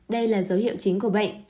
đây là dấu hiệu chính của bệnh